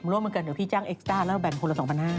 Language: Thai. ร่วมมือกันเดี๋ยวพี่จ้างเอกสตาร์แล้วแบบคนละ๒๕๐๐บาท